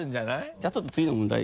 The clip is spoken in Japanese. じゃあちょっと次の問題。